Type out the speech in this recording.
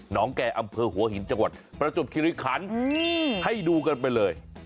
แก่อำเภอหัวหินจังหวัดประจบคิริคันให้ดูกันไปเลย